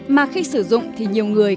mà khi sử dụng thì nhiều người